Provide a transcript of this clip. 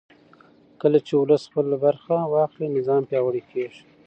کله چې ولس خپله برخه واخلي نظام پیاوړی کېږي